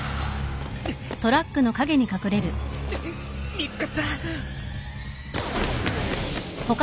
見つかった！？